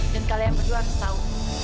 dan kalian berdua harus tahu